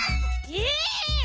え！